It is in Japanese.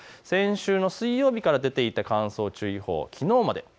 先週の水曜日から出ていた乾燥注意報、きのうまで。